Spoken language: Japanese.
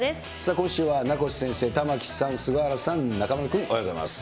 今週は名越先生、玉城さん、菅原さん、中丸君、おはようございます。